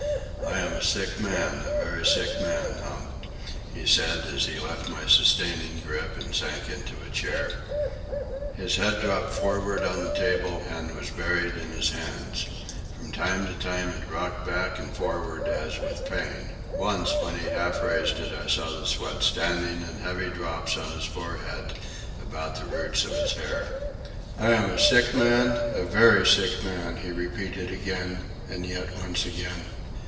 "I am a sick man; a very sick man, Hump," he said, as he left my sustaining grip and sank into a chair. His head dropped forward on the table and was buried in his hands. From time to time it rocked back and forward as with pain. Once, when he half raised it, I saw the sweat standing in heavy drops on his forehead about the roots of his hair. "I am a sick man, a very sick man," he repeated again, and yet once again.